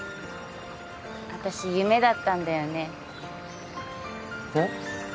私夢だったんだよねえっ？